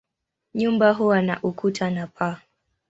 Nyumba huwa na ukuta na paa.